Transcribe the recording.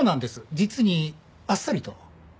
実にあっさりと。